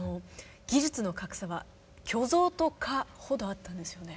技術の格差は巨象と蚊ほどあったんですよね？